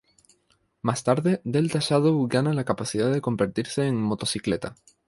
Más tarde, Delta Shadow gana la capacidad de convertirse en una motocicleta.